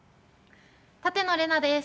舘野伶奈です。